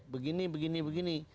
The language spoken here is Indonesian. begini begini begini